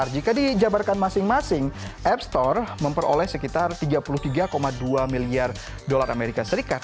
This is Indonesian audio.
jika dijabarkan masing masing app store memperoleh sekitar tiga puluh tiga delapan triliun